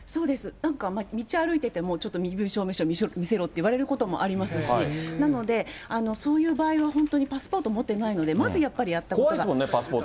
なんか道歩いててもちょっと身分証明書見せろって言われることもありますし、なので、そういう場合は本当にパスポート持っていないので、怖いですもんね、なくしたら。